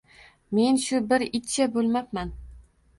Men shu bir itcha bo`lmabman